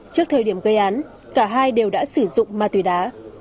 trước thời điểm gây án cả hai đều đã sử dụng ma túy đá